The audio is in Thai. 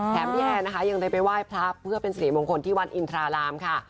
แถมพี่แอนนะคะยังได้ไปไหว้พระเพื่อเป็นสิริมงคลที่วัดอินทรารามค่ะ